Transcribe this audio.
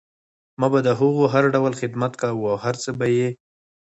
ما به د هغو هر ډول خدمت کوه او هر څه به یې